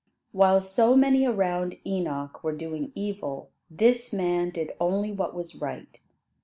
While so many around Enoch were doing evil, this man did only what was right.